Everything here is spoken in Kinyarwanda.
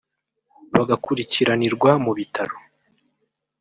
bagakurikiranirwa mu bitaro